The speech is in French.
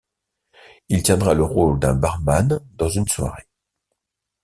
Il tiendra le rôle d'un barman dans une soirée.